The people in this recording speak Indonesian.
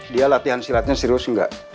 dia latihan silatnya serius enggak